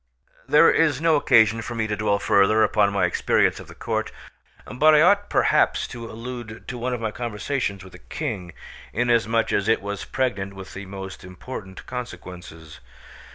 There is no occasion for me to dwell further upon my experience of the court, but I ought perhaps to allude to one of my conversations with the King, inasmuch as it was pregnant with the most important consequences.